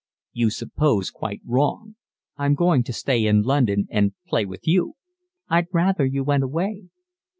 "You suppose quite wrong. I'm going to stay in London and play with you." "I'd rather you went away."